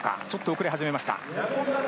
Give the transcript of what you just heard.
ちょっと遅れ始めました。